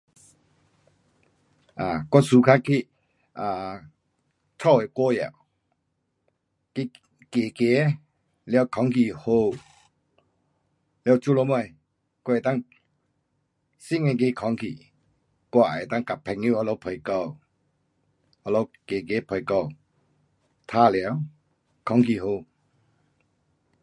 um 我 suka 去 um 家的外后，去走走,了空气好，了做什么，我能够吸那个空气，我也能够跟新朋友那里陪聊，那里走走，陪聊，玩耍，空气好。